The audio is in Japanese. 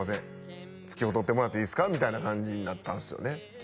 つきおうとってもらっていいですかみたいな感じになったんですよね